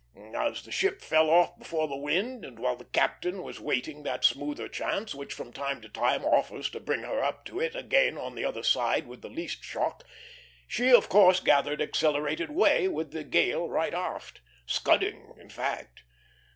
As the ship fell off before the wind, and while the captain was waiting that smoother chance which from time to time offers to bring her up to it again on the other side with the least shock, she of course gathered accelerated way with the gale right aft scudding, in fact.